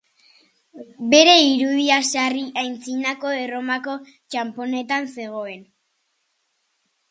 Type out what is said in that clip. Bere irudia, sarri, antzinako Erromako txanponetan zegoen.